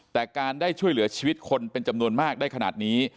แต่การได้ช่วยเหลือชีวิตคนเป็นจำนวนมากได้ขนาดนี้